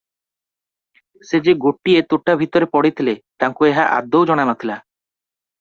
ସେ ଯେ ଗୋଟିଏ ତୋଟା ଭିତରେ ପଡ଼ିଥିଲେ ତାଙ୍କୁ ଏହା ଆଦୌ ଜଣା ନଥିଲା ।